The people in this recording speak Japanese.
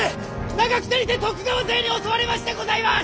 長久手にて徳川勢に襲われましてございます！